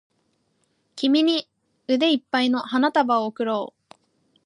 君に腕いっぱいの花束を贈ろう